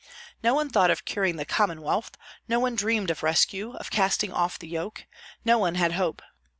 No one thought of curing the Commonwealth; no one dreamed of rescue, of casting off the yoke; no one had hope.